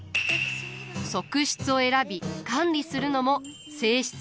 側室を選び管理するのも正室の役目。